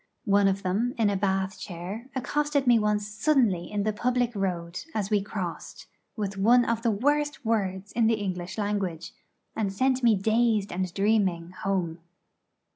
One of them, in a Bath chair, accosted me once suddenly in the public road as we crossed, with one of the worst words in the English language, and sent me dazed and dreaming 'home.'